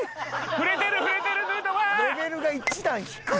振れてる振れてるヌートバー！